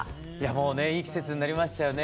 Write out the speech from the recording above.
もうねいい季節になりましたよね。